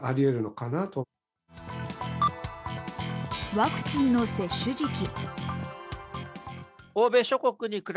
ワクチンの接種時期。